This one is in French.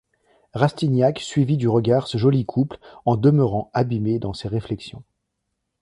Rastignac suivit du regard ce joli couple, en demeurant abîmé dans ses réflexions.